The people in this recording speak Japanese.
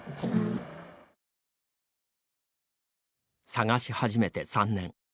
探し始めて３年。